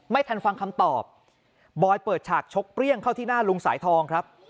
ไม่ทันฟังคำตอบบอยเปิดฉากชกเปรี้ยงเข้าที่หน้าลุงสายทองครับ